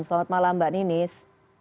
selamat malam mbak ninis